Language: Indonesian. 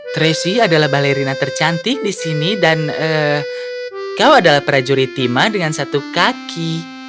tracy adalah balerina tercantik di sini dan kau adalah prajurit timah dengan satu kaki